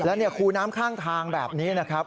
แล้วคูน้ำข้างแบบนี้นะครับ